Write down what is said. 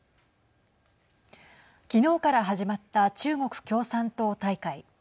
昨日から始まった中国共産党大会。